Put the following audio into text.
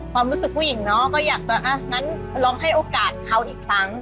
ความรู้สึกผู้หญิงเนาะก็อยากจะอ่ะงั้นลองให้โอกาสเขาอีกครั้ง